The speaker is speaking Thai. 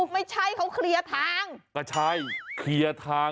ไม่ใช่เขาเคลียร์ทาง